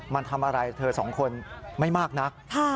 มันทำอะไรเธอสองคนไม่มากนัก